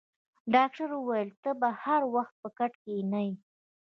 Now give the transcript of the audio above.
ډاکټر وویل: ته به هر وخت په کټ کې نه یې.